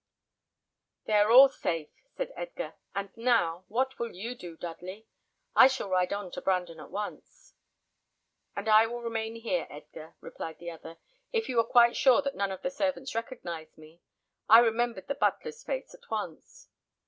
"They are all safe," said Edgar. "And now, what will you do, Dudley? I shall ride on to Brandon at once." "And I will remain here, Edgar," replied the other, "if you are quite sure that none of the servants recognised me. I remembered the butler's face at once."